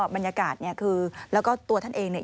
บรรยากาศเนี่ยคือแล้วก็ตัวท่านเองเนี่ย